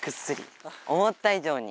思った以上に。